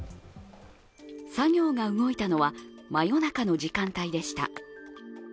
作業が動いたのは真夜中の時間帯でした。